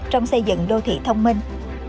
trong xây dựng đô thị thông minh